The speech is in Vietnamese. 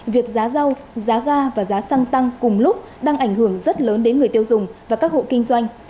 việc giá rau giá ga và giá xăng tăng cùng lúc đang ảnh hưởng rất lớn đến người tiêu dùng và các hộ kinh doanh